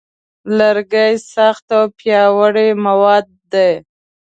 لرګی سخت او پیاوړی مواد دی.